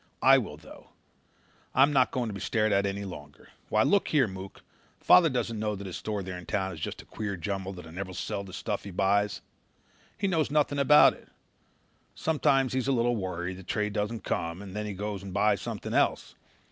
I will, though. I'm not going to be stared at any longer. Why look here, Mook, father doesn't know that his store there in town is just a queer jumble, that he'll never sell the stuff he buys. He knows nothing about it. Sometimes he's a little worried that trade doesn't come and then he goes and buys something else.